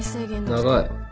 長い。